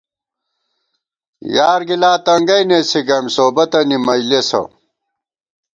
یار گِلا تنگئ نېسی گئیم سوبَتَنی منجلېسہ